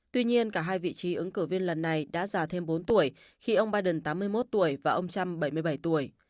tuy nhiên cả hai vị trí ứng cử viên lần này đã già thêm bốn tuổi khi ông biden tám mươi một tuổi và ông trump bảy mươi bảy tuổi